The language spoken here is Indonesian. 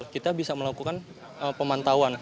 kita bisa melakukan pemantauan